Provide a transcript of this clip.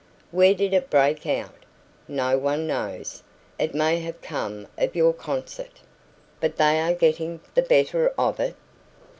"Where did it break out?" "No one knows; it may have come of your concert." "But they are getting the better of it?"